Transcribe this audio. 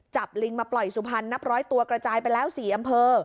จับลิงมาปล่อยสุภัณฑ์นับ๑๐๐ตัวกระจายไปแล้ว๔อำเภอ